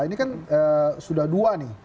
ini kan sudah dua nih